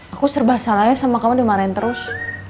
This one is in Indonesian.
aku serba salahnya sama kamu dimarahin terus